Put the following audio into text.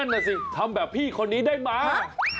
น่ะสิทำแบบพี่คนนี้ได้มา